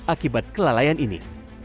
akibat kelalaian ini